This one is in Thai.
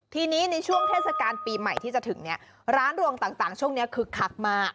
ทีนี้ในช่วงเทศกาลปีใหม่ที่จะถึงเนี่ยร้านรวงต่างช่วงนี้คึกคักมาก